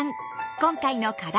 今回の課題